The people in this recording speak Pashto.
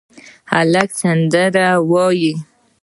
هلک سندرې وايي